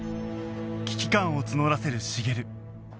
危機感を募らせる茂